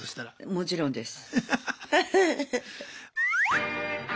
もちろんです。